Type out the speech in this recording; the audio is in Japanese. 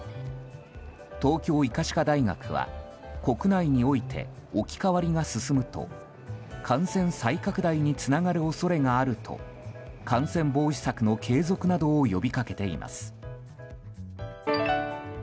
東京医科歯科大学は国内において置き換わりが進むと感染再拡大につながる恐れがあると感染防止策の継続などを呼びかけています。